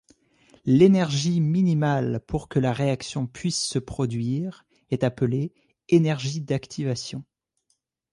L'énergie minimale pour que la réaction puisse se produire est appelée énergie d'activation.